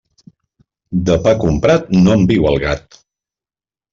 De pa comprat, no en viu el gat.